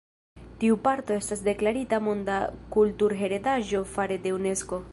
Tiu parto estas deklarita monda kulturheredaĵo fare de Unesko.